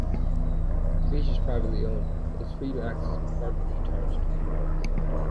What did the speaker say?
The beach is privately owned; it is free to access but parking is charged.